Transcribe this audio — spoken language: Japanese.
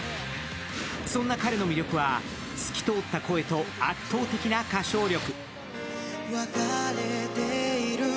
そんな彼の魅力は、透き通った声と圧倒的な歌唱力。